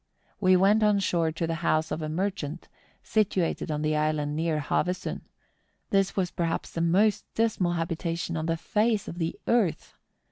We went on shore to the house of a merchant, situated on an island near Havesund; this was perhaps the most dismal habi¬ tation on the face of the earth.